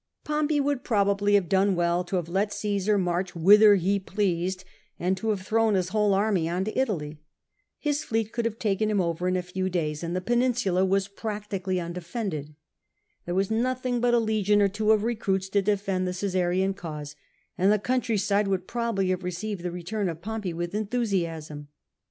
Pompey would probably have done well bo have let Caesar march whither he pleased, and to have thrown his whole army on to Italy. His fleet could have taken him over in a few days, and the l^eninsula was practically undefended. There was nothing but a legion or two of recruits to defend the Caesarian cause, and the country side would probably have received the return of Pompey with enthusiasm.